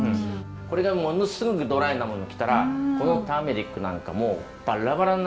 これがものすごくドライなもの来たらこのターメリックなんかもバッラバラになっちゃうんですよね。